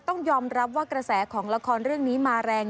ต้องยอมรับว่ากระแสของละครเรื่องนี้มาแรง